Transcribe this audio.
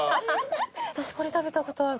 私これ食べた事ある。